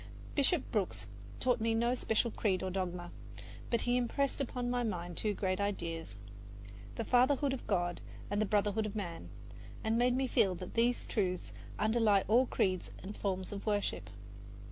Bishop Brooks taught me no special creed or dogma; but he impressed upon my mind two great ideas the fatherhood of God and the brotherhood of man, and made me feel that these truths underlie all creeds and forms of worship.